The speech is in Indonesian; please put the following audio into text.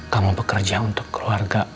kamu bekerja untuk keluarga